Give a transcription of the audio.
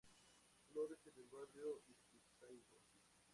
Flores en el Barrio Ituzaingó.